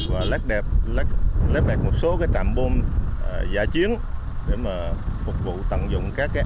và lép đẹp một số trạm bôm giả chiến để phục vụ tận dụng các ảnh